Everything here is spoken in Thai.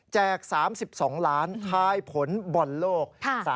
๓๒ล้านทายผลบอลโลก